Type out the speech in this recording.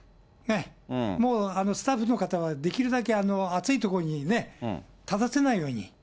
もうスタッフの方は、できるだけ暑いとこに立たせないように。